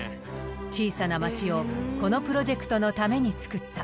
小さな町をこのプロジェクトのために作った。